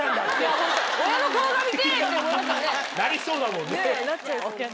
なりそうだもんね。